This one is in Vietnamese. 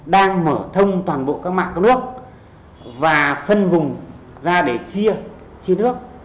đang mở thông toàn bộ các mạng cấp nước và phân vùng ra để chia nước